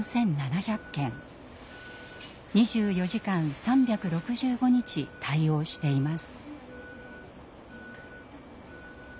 ２４時間３６５日対応しています。